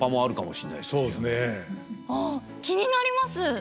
ああ気になります。